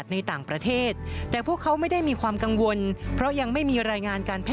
พระปางสามยอดที่เป็นจุดไฮไลท์ที่นักท่องเที่ยวทั้งชาวไทยและต่างชาติต้องมาถ่ายรูป